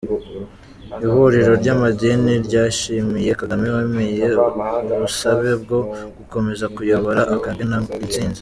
Ihuriro ry’amadini ryashimiye Kagame wemeye ubusabe bwo gukomeza kuyobora akanegukana intsinzi.